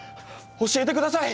教えてください！